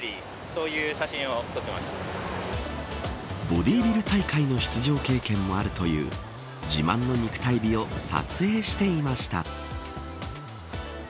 ボディービル大会の出場経験もあるという自慢の肉体美を撮影していました。